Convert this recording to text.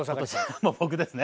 僕ですね。